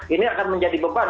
ini akan menjadi beban